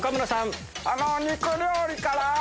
あの肉料理からぁ。